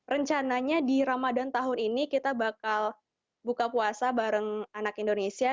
rencananya di ramadan tahun ini kita bakal buka puasa bareng anak indonesia